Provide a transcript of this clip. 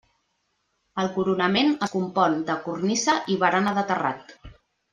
El coronament es compon de cornisa i barana de terrat.